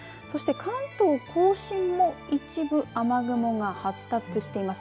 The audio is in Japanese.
そして関東甲信も一部雨雲が発達しています。